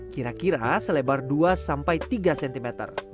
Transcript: kira kira selebar dua sampai tiga cm